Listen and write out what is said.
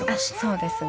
そうですね。